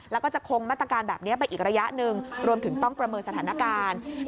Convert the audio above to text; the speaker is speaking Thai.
แล้วก็จะคงมาตรการแบบนี้ไปอีกระยะหนึ่งรวมถึงต้องประเมินสถานการณ์